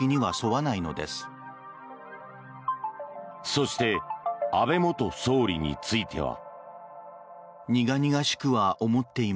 そして安倍元総理については。